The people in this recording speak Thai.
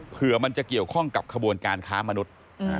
เผื่อมันจะเกี่ยวข้องกับขบวนการค้ามนุษย์